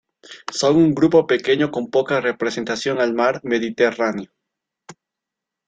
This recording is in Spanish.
Son un grupo pequeño con poca representación al mar Mediterráneo.